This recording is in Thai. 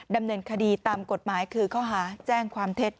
ดำเนินคดีตามกฎหมายคือข้อหาแจ้งความเท็จ